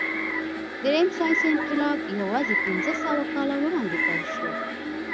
درېیم ساینسي انقلاب یواځې پنځهسوه کاله وړاندې پیل شو.